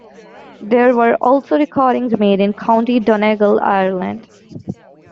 There were also recordings made in County Donegal, Ireland.